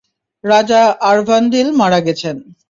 রাজা অরভান্দিল মারা গেছেন!